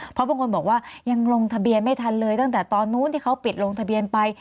เพราะบางคนบอกว่ายังลงทะเบียนไม่ทันเลยตั้งแต่ตอนนู้นที่เขาปิดลงทะเบียนไป